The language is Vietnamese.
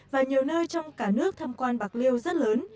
và nhiều nơi trong cả nước tham quan bạc liêu rất lớn